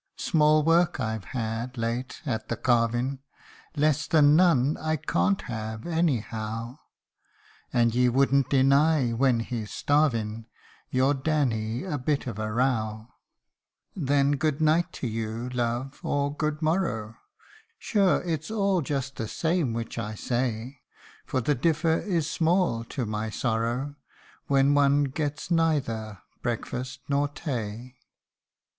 Small work I've had late at the carvin', Less than none I can't have, any how ; And ye wouldn't deny, when he's starvin', Your Danny a bit of a row ? Then, good night to you, love, or good morrow ; Sure, it's all just the same which I say, For the differ is small, to my sorrow, When one gets neither breakfast, nor tay